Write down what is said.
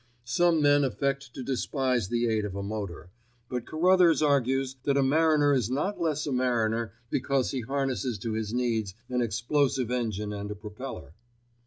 Some men affect to despise the aid of a motor, but Carruthers argues that a mariner is not less a mariner because he harnesses to his needs an explosive engine and a propeller.